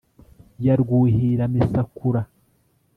Ya rwuhiramisakura